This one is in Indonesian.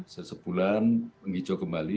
sesebulan menghijau kembali